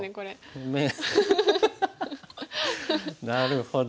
なるほど！